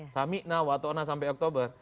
sama sama sampai oktober